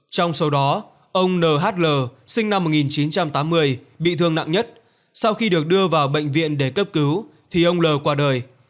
trong số đó ông nhl sinh năm một nghìn chín trăm tám mươi bị thương nặng nhất sau khi được đưa vào bệnh viện để cấp cứu thì ông l qua đời